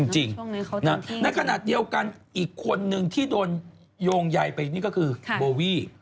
ในขณะเดียวกันอีกคนนึงที่โดนโยงใยไปนี่ก็คือโบวี่